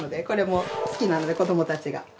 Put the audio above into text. これも好きなので子どもたちが。